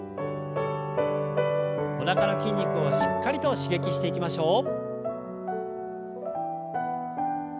おなかの筋肉をしっかりと刺激していきましょう。